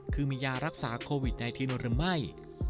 คือมียารักษาโควิด๑๙หรือไม่